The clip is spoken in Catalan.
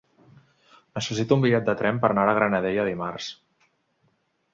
Necessito un bitllet de tren per anar a la Granadella dimarts.